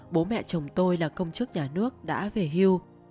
bố mẹ chồng tôi là công chức nhà nước đã về hưu